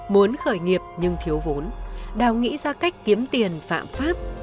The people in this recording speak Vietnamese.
muốn khởi nghiệp nhưng thiếu vốn đào nghĩ ra cách kiếm tiền phạm pháp